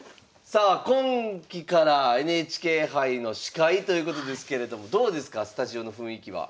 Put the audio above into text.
さあ今期からＮＨＫ杯の司会ということですけれどもどうですかスタジオの雰囲気は。